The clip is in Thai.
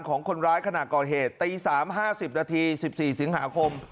ของคนร้ายขณะก่อเหตุตี๓๕๐นาที๑๔สิงหาคม